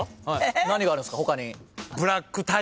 何があるんですか他に。